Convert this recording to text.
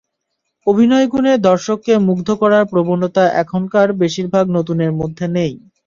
অভিনয়গুণে দর্শককে মুগ্ধ করার প্রবণতা এখনকার বেশির ভাগ নতুনের মধ্যে নেই।